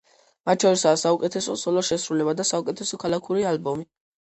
მათ შორისაა: საუკეთესო სოლო შესრულება და საუკეთესო ქალაქური ალბომი.